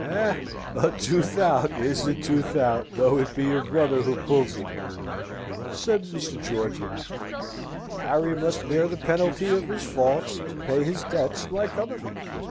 "Eh! a tooth out is a tooth out, though it be your brother who pulls it, my lord!" said Mr. George, laughing. "Harry must bear the penalty of his faults, and pay his debts, like other men."